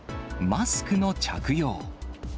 マスクの着用。